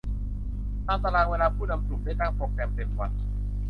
ตามตารางเวลาผู้นำกลุ่มได้ตั้งโปรแกรมเต็มวัน